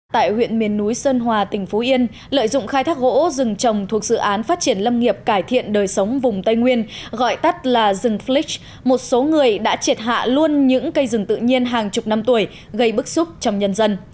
tại huyện miền núi sơn hòa tỉnh phú yên lợi dụng khai thác gỗ rừng trồng thuộc dự án phát triển lâm nghiệp cải thiện đời sống vùng tây nguyên gọi tắt là rừng flix một số người đã triệt hạ luôn những cây rừng tự nhiên hàng chục năm tuổi gây bức xúc trong nhân dân